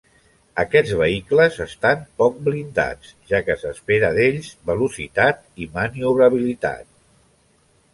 Aquests vehicles estan poc blindats, ja que s'espera d'ells velocitat i maniobrabilitat.